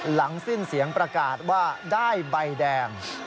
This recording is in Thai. หลังสิ้นเสียงประกาศว่าได้ใบแดง